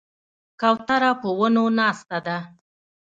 کوتره په ونو ناسته ده.